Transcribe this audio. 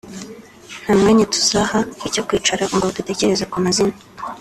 nta mwanya tuzaha icyo kwicara ngo dutekereze ku mazina